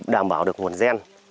đảm bảo được nguồn gen